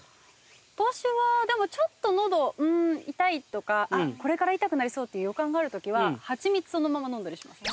私はちょっと喉痛いとかこれから痛くなりそうっていう予感があるときは蜂蜜そのままのんだりします。